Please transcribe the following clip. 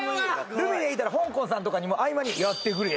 ルミネいたらほんこんさんとかにも合間に「やってくれや」